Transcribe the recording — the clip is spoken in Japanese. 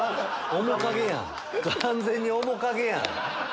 完全に面影やん！